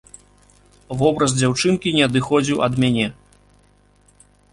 Вобраз дзяўчынкі не адыходзіў ад мяне.